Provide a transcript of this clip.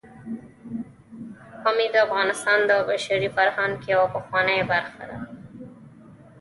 پامیر د افغانستان د بشري فرهنګ یوه پخوانۍ برخه ده.